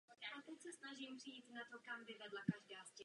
Debut si připsal na podzim v utkání Ligového poháru proti Sheffieldu United.